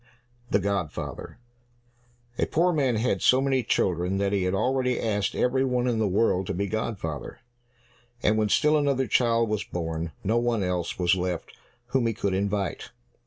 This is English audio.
42 The Godfather A poor man had so many children that he had already asked every one in the world to be godfather, and when still another child was born, no one else was left whom he could invite.